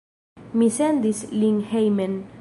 Mi sendis lin hejmen.